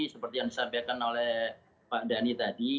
seperti yang disampaikan oleh pak dhani tadi